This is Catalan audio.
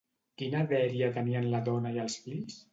Quina dèria tenien la dona i els fills?